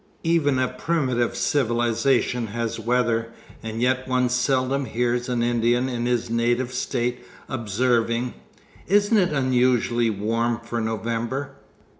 Even a primitive civilization has weather, and yet one seldom hears an Indian in his native state observing: "Isn't it unusually warm for November?"